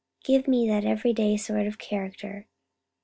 Give me the everyday sort of character.